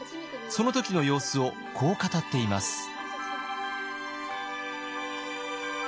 その時の様子をこう語っています。